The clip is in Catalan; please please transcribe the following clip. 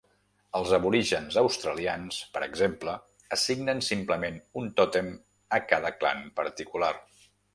Els aborígens australians, per exemple, assignen simplement un tòtem a cada clan particular.